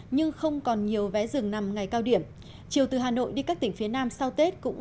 nhưng không còn nhiều vé dừng nằm ngày cao điểm chiều từ hà nội đi các tỉnh phía nam sau tết cũng